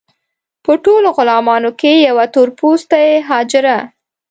په ټولو غلامانو کې یوه تور پوستې حاجره.